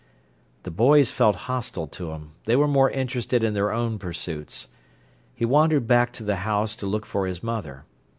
The boys felt hostile to him; they were more interested in their own pursuits. He wandered back to the house to look for his mother.